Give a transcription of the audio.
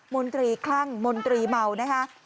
มนตรีคลั่งมนตรีเมานะคะ